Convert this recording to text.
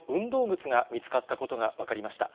靴が見つかったことが分かりました。